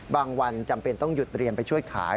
วันจำเป็นต้องหยุดเรียนไปช่วยขาย